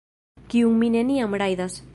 Kiun mi neniam rajdas